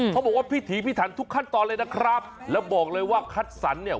เขาบอกว่าพิถีพิถันทุกขั้นตอนเลยนะครับแล้วบอกเลยว่าคัดสรรเนี่ย